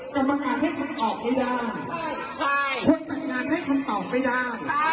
กรรมางานให้คำออกไม่ได้ทวดจัดงานให้คำออกไม่ได้